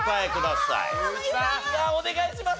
いやお願いします！